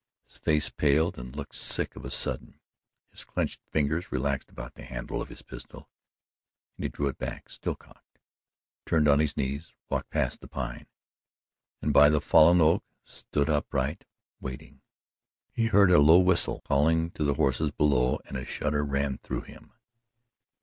His face paled and looked sick of a sudden, his clenched fingers relaxed about the handle of his pistol and he drew it back, still cocked, turned on his knees, walked past the Pine, and by the fallen oak stood upright, waiting. He heard a low whistle calling to the horse below and a shudder ran through him.